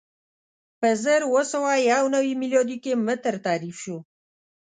په زر اووه سوه یو نوې میلادي کې متر تعریف شو.